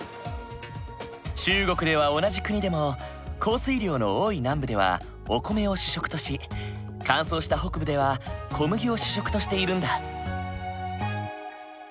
中国では同じ国でも降水量の多い南部ではお米を主食とし乾燥した北部では小麦を主食としているんだ。